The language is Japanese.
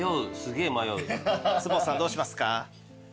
坪さんどうしますか？